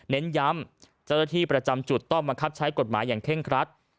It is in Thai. เน้นย้ำเจ้าหน้าที่ประจำจุดต้องบังคับใช้กฎหมายอย่างเคร่งครัด